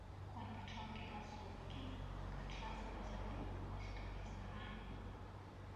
Конь пачаў кідацца ў бакі, качацца па зямлі і стукаць нагамі.